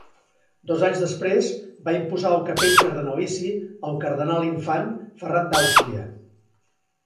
Dos anys després va imposar el capell cardenalici al cardenal-infant Ferran d'Àustria.